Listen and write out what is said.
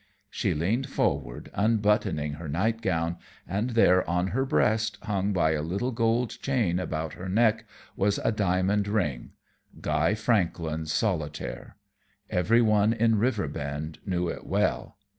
She leaned forward, unbuttoning her nightgown, and there on her breast, hung by a little gold chain about her neck, was a diamond ring Guy Franklin's solitaire; every one in Riverbend knew it well.